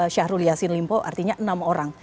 syahrul yassin limpo artinya enam orang